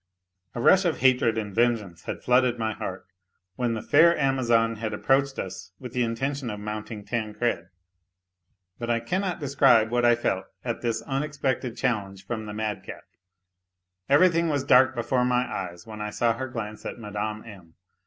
A rush of hatred and vengeance had flooded my heart, when the fair Amazon had approached us with the intention of mounting Tancred. ... Bui I cannot describe what I felt at this un expected challenge ficm the madcap. Everything was dark before my eyes when 1 saw her glance at Mme. M.